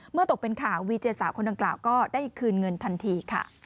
ตกเป็นข่าววีเจสาวคนดังกล่าวก็ได้คืนเงินทันทีค่ะ